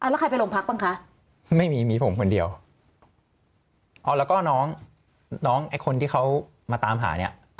แล้วใครไปโรงพักบ้างคะไม่มีมีผมคนเดียวอ๋อแล้วก็น้องน้องไอ้คนที่เขามาตามหาเนี่ย